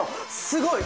すごい！